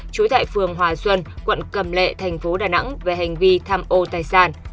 trối tại phường hòa xuân quận cầm lệ tp đà nẵng về hành vi tham ô tài sản